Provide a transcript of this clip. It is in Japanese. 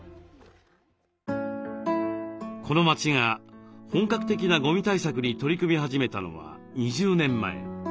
この町が本格的なゴミ対策に取り組み始めたのは２０年前。